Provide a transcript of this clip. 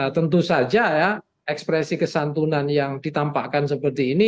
tentu saja ya ekspresi kesantunan yang ditampakkan seperti ini